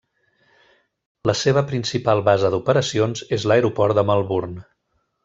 La seva principal base d'operacions és l'Aeroport de Melbourne.